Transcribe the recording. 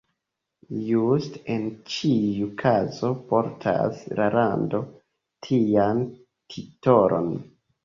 Juste en ĉiu kazo portas la lando tian titolon!